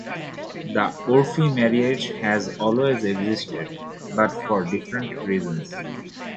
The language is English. The 'Urfi marriage has always existed, but for different reasons.